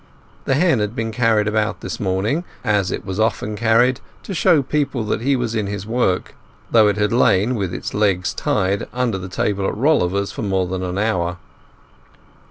The hen had been carried about this morning as it was often carried, to show people that he was in his work, though it had lain, with its legs tied, under the table at Rolliver's for more than an hour.